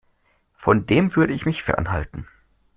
Von dem würde ich mich fernhalten.